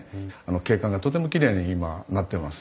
景観がとてもきれいに今なってます。